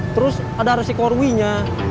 terus ada resiko ruinya